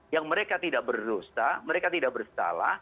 yang mereka tidak berdosa mereka tidak bersalah